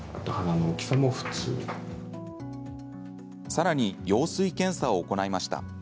さらに羊水検査を行いました。